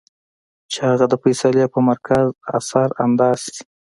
چې هغه د فېصلې پۀ مرکز اثر انداز شي -